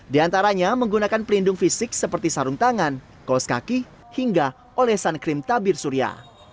di antaranya menggunakan pelindung fisik seperti sarung tangan kol sekaki hingga oleh sun cream tabir surya